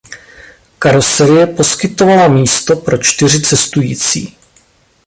Karoserie poskytovala místo pro čtyři cestující.